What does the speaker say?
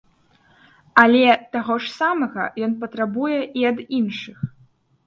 Але таго ж самага ён патрабуе і ад іншых.